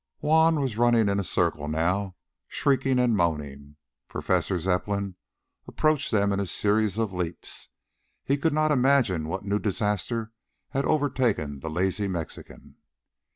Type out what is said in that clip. Juan was running in a circle now, shrieking and moaning. Professor Zepplin approached them in a series of leaps. He could not imagine what new disaster had overtaken the lazy Mexican.